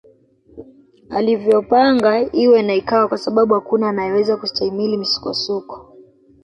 Alivyopanga iwe na ikawa kwasababu hakuna anayeweza kustahimili misukosuko